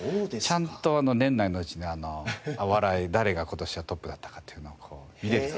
ちゃんと年内のうちにお笑い誰が今年はトップだったかというのを見られると。